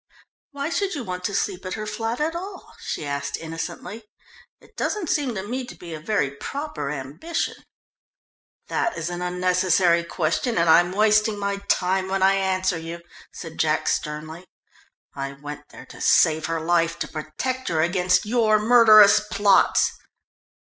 "Why should you want to sleep at her flat at all?" she asked innocently. "It doesn't seem to me to be a very proper ambition." "That is an unnecessary question, and I'm wasting my time when I answer you," said Jack sternly. "I went there to save her life, to protect her against your murderous plots!"